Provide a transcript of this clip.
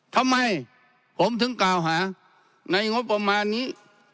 ทำไมผมถึงกล่าวหาในงบประมาณนี้